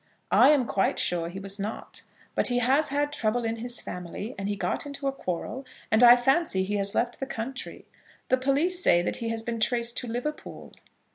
"I am quite sure he was not. But he has had trouble in his family, and he got into a quarrel, and I fancy he has left the country. The police say that he has been traced to Liverpool."